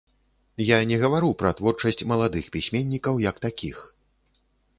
Я не гавару пра творчасць маладых пісьменнікаў як такіх.